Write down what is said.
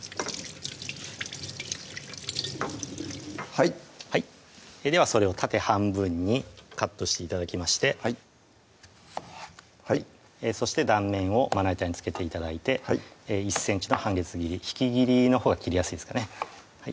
はいではそれを縦半分にカットして頂きましてそして断面をまな板に付けて頂いて１ｃｍの半月切り引き切りのほうが切りやすいですかね